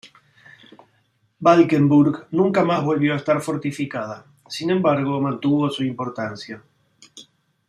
Valkenburg nunca más volvió a estar fortificada; sin embargo, mantuvo su importancia.